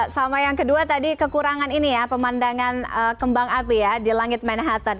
sama yang kedua tadi kekurangan ini ya pemandangan kembang api ya di langit manhattan